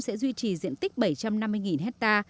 sẽ duy trì diện tích bảy trăm năm mươi ha